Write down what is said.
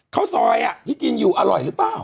ข้าวซอยที่กินอยู่อร่อยหรือเปล่า